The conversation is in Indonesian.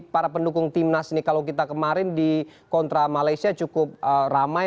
para pendukung timnas ini kalau kita kemarin di kontra malaysia cukup ramai